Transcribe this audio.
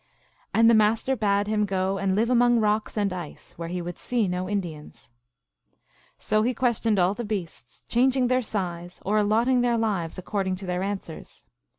And the Master bade him go and live among rocks and ice, where he would see no Indians. So he questioned all the beasts, changing their size or allotting their lives according to their answers.